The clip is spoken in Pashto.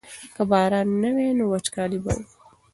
که باران نه وای نو وچکالي به وه.